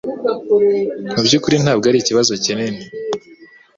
Mubyukuri ntabwo arikibazo kinini